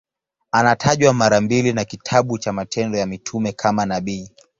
Anatajwa mara mbili na kitabu cha Matendo ya Mitume kama nabii.